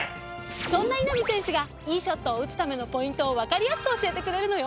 そんな稲見選手がいいショットを打つためのポイントをわかりやすく教えてくれるのよ。